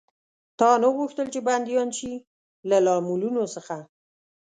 تا نه غوښتل، چې بندیان شي؟ له لاملونو څخه.